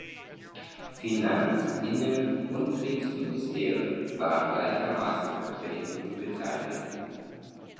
Finanz-, Innen- und Kriegsministerium waren gleichermaßen vertreten und beteiligt.